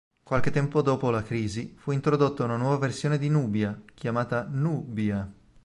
Qualche tempo dopo la "Crisi" fu introdotta una nuova versione di Nubia, chiamata Nu'Bia.